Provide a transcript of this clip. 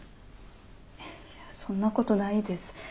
そんなことないです。